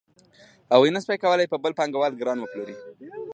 هغه نشوای کولی په بل پانګوال ګران وپلوري